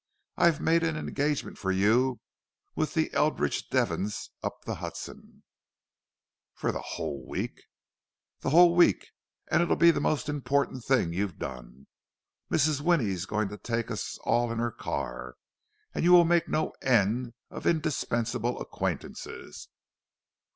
"I've made an engagement for you with the Eldridge Devons up the Hudson—" "For the whole week?" "The whole week. And it'll be the most important thing you've done. Mrs. Winnie's going to take us all in her car, and you will make no end of indispensable acquaintances."